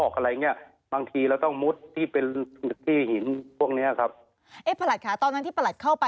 คือเป็นเป็นโคนครับค่ะค่ะ